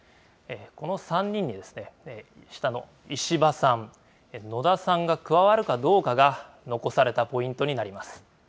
この３人に、下の石破さん、野田さんが加わるかどうかが残されたポイントになります。